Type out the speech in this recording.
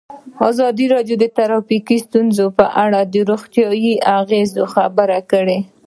ازادي راډیو د ټرافیکي ستونزې په اړه د روغتیایي اغېزو خبره کړې.